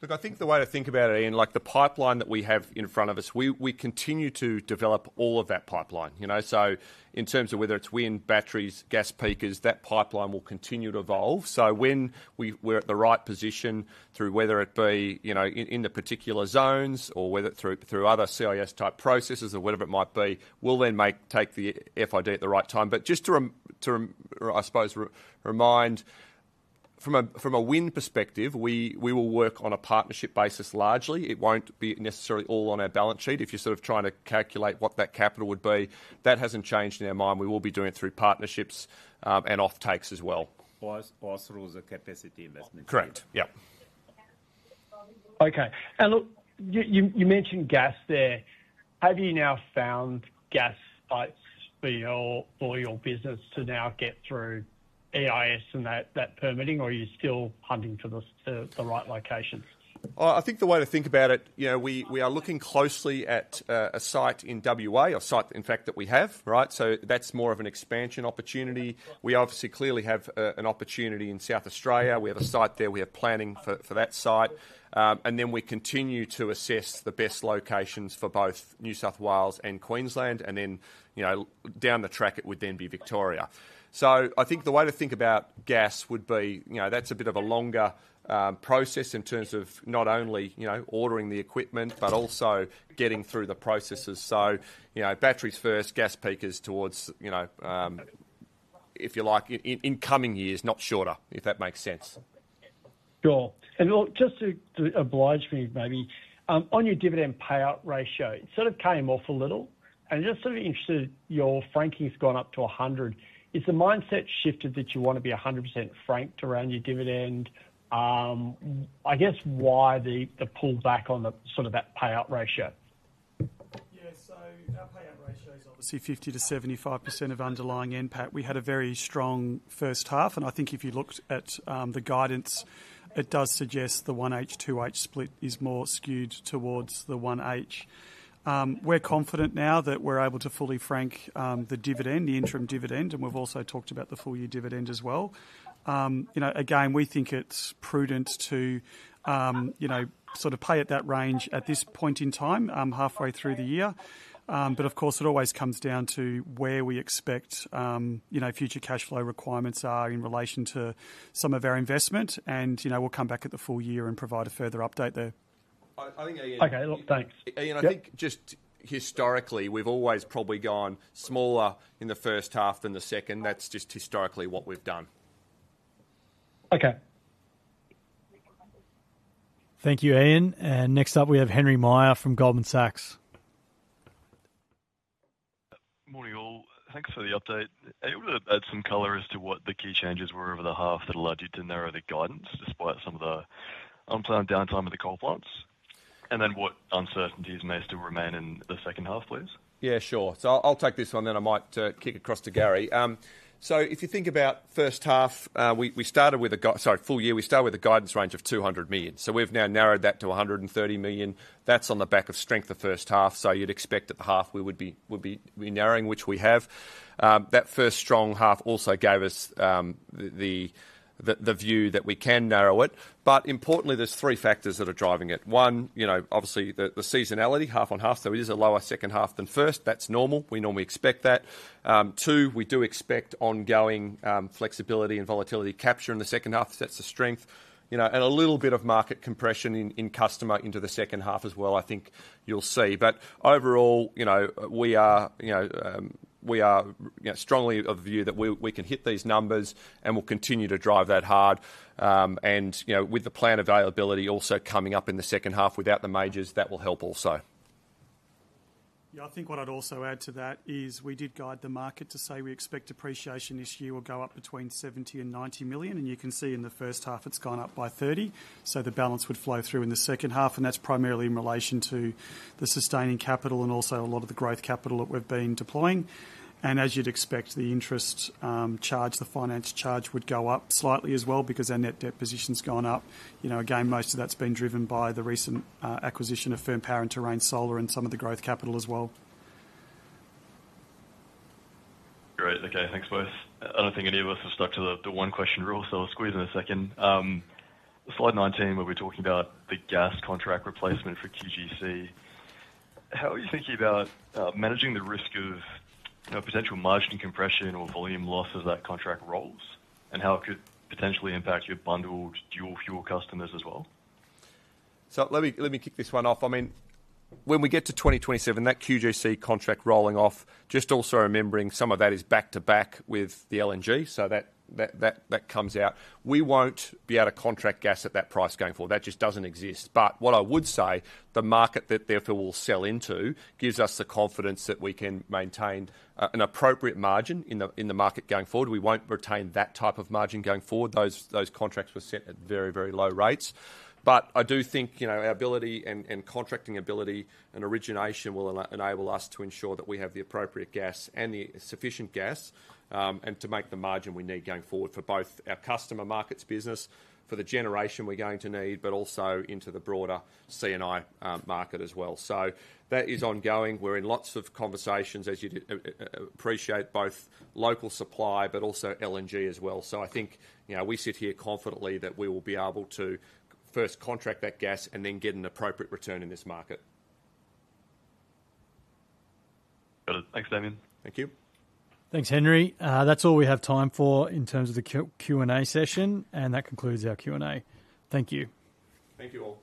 Look, I think the way to think about it, Ian, like the pipeline that we have in front of us, we continue to develop all of that pipeline. In terms of whether it's wind, batteries, gas peakers, that pipeline will continue to evolve. So when we're at the right position through whether it be in the particular zones or whether it through other CIS-type processes or whatever it might be, we'll then take the FID at the right time. But just to, I suppose, remind, from a wind perspective, we will work on a partnership basis largely. It won't be necessarily all on our balance sheet. If you're sort of trying to calculate what that capital would be, that hasn't changed in our mind. We will be doing it through partnerships and off-takes as well. Or through the capacity investment. Correct. Yep. Okay. And look, you mentioned gas there. Have you now found gas sites for your business to now get through EIS and that permitting, or are you still hunting for the right locations? I think the way to think about it, we are looking closely at a site in WA, a site, in fact, that we have, right? So that's more of an expansion opportunity. We obviously clearly have an opportunity in South Australia. We have a site there. We have planning for that site. And then we continue to assess the best locations for both New South Wales and Queensland. And then down the track, it would then be Victoria. So I think the way to think about gas would be that's a bit of a longer process in terms of not only ordering the equipment, but also getting through the processes. So batteries first, gas peakers towards, if you like, in coming years, not shorter, if that makes sense. Sure. And look, just to oblige me, maybe, on your dividend payout ratio, it sort of came off a little. am just sort of interested. Your franking's gone up to 100%. Is the mindset shifted that you want to be 100% franked around your dividend? I guess, why the pullback on sort of that payout ratio? Yeah, so our payout ratio is obviously 50%-75% of underlying NPAT. We had a very strong first half. I think if you looked at the guidance, it does suggest the 1H, 2H split is more skewed towards the 1H. We're confident now that we're able to fully frank the dividend, the interim dividend, and we've also talked about the full-year dividend as well. Again, we think it's prudent to sort of pay at that range at this point in time, halfway through the year. But of course, it always comes down to where we expect future cash flow requirements are in relation to some of our investment. And we'll come back at the full year and provide a further update there. I think, Ian, I think just historically, we've always probably gone smaller in the first half than the second. That's just historically what we've done. Okay. Thank you, Ian. And next up, we have Henry Meyer from Goldman Sachs. Morning, all. Thanks for the update. It would have added some color as to what the key changes were over the half that allowed you to narrow the guidance despite some of the unplanned downtime of the coal plants. And then what uncertainties may still remain in the second half, please? Yeah, sure. So I'll take this one, then I might kick across to Gary. So if you think about first half, we started with a, sorry, full year, we started with a guidance range of 200 million. So we've now narrowed that to 130 million. That's on the back of strength of first half, so you'd expect that the half we would be narrowing, which we have. That first strong half also gave us the view that we can narrow it, but importantly, there's three factors that are driving it. One, obviously, the seasonality, half on half, so it is a lower second half than first. That's normal. We normally expect that. Two, we do expect ongoing flexibility and volatility capture in the second half. That's the strength, and a little bit of market compression in customer into the second half as well, I think you'll see, but overall, we are strongly of the view that we can hit these numbers and we'll continue to drive that hard, and with the planned availability also coming up in the second half without the majors, that will help also. Yeah, I think what I'd also add to that is we did guide the market to say we expect depreciation this year will go up between 70 million and 90 million. And you can see in the first half, it's gone up by 30 million. So the balance would flow through in the second half. And that's primarily in relation to the sustaining capital and also a lot of the growth capital that we've been deploying. And as you'd expect, the interest charge, the finance charge would go up slightly as well because our net debt position's gone up. Again, most of that's been driven by the recent acquisition of Firm Power and Terrain Solar and some of the growth capital as well. Great. Okay, thanks, both. I don't think any of us have stuck to the one question rule, so we'll squeeze in a second. Slide 19, where we're talking about the gas contract replacement for QGC. How are you thinking about managing the risk of potential margin compression or volume loss as that contract rolls and how it could potentially impact your bundled dual fuel customers as well? So let me kick this one off. I mean, when we get to 2027, that QGC contract rolling off, just also remembering some of that is back to back with the LNG, so that comes out. We won't be able to contract gas at that price going forward. That just doesn't exist. But what I would say, the market that therefore we'll sell into gives us the confidence that we can maintain an appropriate margin in the market going forward. We won't retain that type of margin going forward. Those contracts were set at very, very low rates. But I do think our ability and contracting ability and origination will enable us to ensure that we have the appropriate gas and the sufficient gas and to make the margin we need going forward for both our Customer Markets business, for the generation we're going to need, but also into the broader C&I market as well. So that is ongoing. We're in lots of conversations, as you appreciate, both local supply, but also LNG as well. So I think we sit here confidently that we will be able to first contract that gas and then get an appropriate return in this market. Got it. Thanks, Damien. Thank you. Thanks, Henry. That's all we have time for in terms of the Q&A session. And that concludes our Q&A. Thank you. Thank you all.